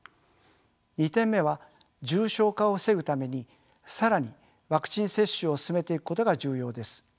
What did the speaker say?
２点目は重症化を防ぐために更にワクチン接種を進めていくことが重要です。